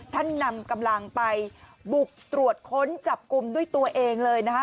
นำกำลังไปบุกตรวจค้นจับกลุ่มด้วยตัวเองเลยนะคะ